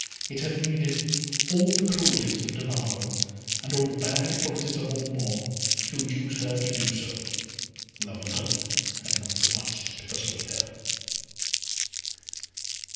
It had needed all the cruelties of Danamo, and all the bad qualities of Ormond, to induce her to do so. Love alone had not sufficed to persuade her.